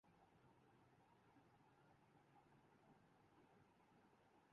Australia کے سابق نائب کپتان ڈیوڈ وارنر کا کرکٹ نہ کھیلنے کا عندیہ